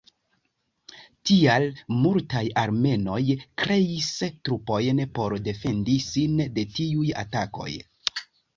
Tial, multaj armenoj kreis trupojn por defendi sin de tiuj atakoj.